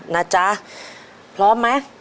นะจ๊ะพร้อมไหม